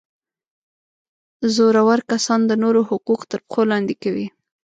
زورور کسان د نورو حقوق تر پښو لاندي کوي.